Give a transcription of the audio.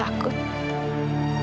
bukannya kamu dengar sendiri tadi